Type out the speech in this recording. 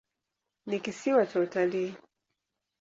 Ni kisiwa cha utalii.